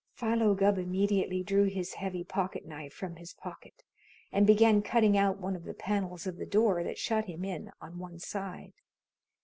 Philo Gubb immediately drew his heavy pocket knife from his pocket and began cutting out one of the panels of the door that shut him in on one side.